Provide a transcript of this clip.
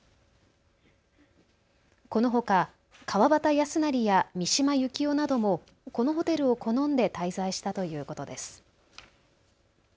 このほか川端康成や三島由紀夫などもこのホテルを好んで滞在したということです。